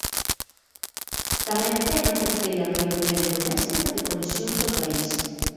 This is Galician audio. Tamén ten a terceira maior rede doméstica de conexións do país.